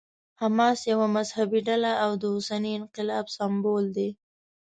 حماس یوه مذهبي ډله او د اوسني انقلاب سمبول دی.